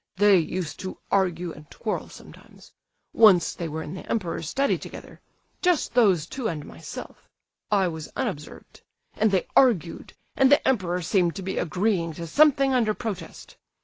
They used to argue and quarrel sometimes. Once they were in the Emperor's study together—just those two and myself—I was unobserved—and they argued, and the Emperor seemed to be agreeing to something under protest.